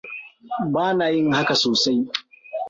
Bana yin haka sosai.